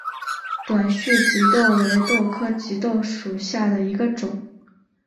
短序棘豆为豆科棘豆属下的一个种。